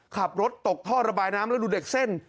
ขับรถตกท่อระบายน้ำแล้วดูเด็กเส้น